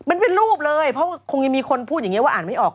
มันเป็นรูปเลยเพราะคงยังมีคนพูดอย่างนี้ว่าอ่านไม่ออก